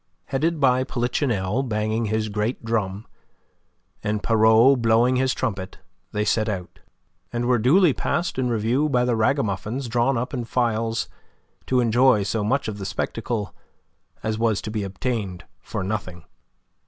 Headed by Polichinelle banging his great drum and Pierrot blowing his trumpet, they set out, and were duly passed in review by the ragamuffins drawn up in files to enjoy so much of the spectacle as was to be obtained for nothing.